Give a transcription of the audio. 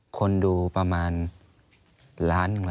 อันดับ๖๓๕จัดใช้วิจิตร